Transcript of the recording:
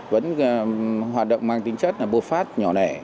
vẫn hoạt động mang tính chất là bộ phát nhỏ lẻ